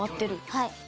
はい。